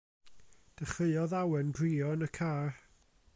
Dechreuodd Awen grio yn y car.